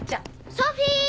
ソフィー！